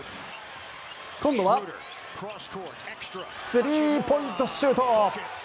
今度はスリーポイントシュート。